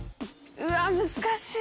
うわ難しい。